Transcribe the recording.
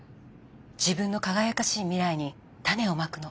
自分の輝かしい未来に種をまくの。